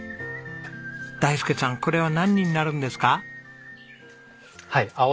大介さんこれは何になるんですか？